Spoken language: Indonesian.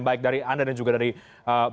baik dari anda dan juga dari pak muldoko